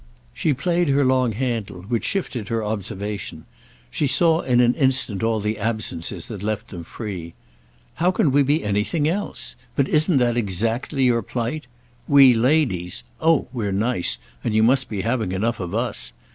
She played her long handle, which shifted her observation; she saw in an instant all the absences that left them free. "How can we be anything else? But isn't that exactly your plight? 'We ladies'—oh we're nice, and you must be having enough of us!